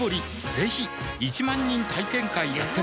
ぜひ１万人体験会やってますはぁ。